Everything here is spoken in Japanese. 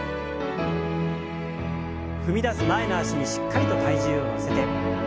踏み出す前の脚にしっかりと体重を乗せて。